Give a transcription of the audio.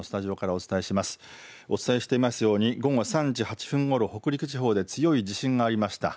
お伝えしていますように午後３時８分ごろ、北陸地方で強い地震がありました。